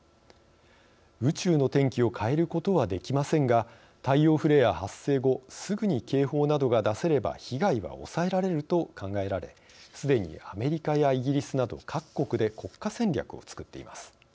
宇宙の天気を変えることはできませんが太陽フレア発生後すぐに警報などが出せれば被害は抑えられると考えられすでにアメリカやイギリスなど各国で国家戦略を作っています。